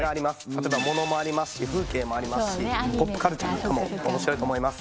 例えばものもありますし風景もありますしポップカルチャーなんかも面白いと思います